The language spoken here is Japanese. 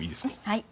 はい。